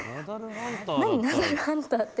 何ナダルハンターって。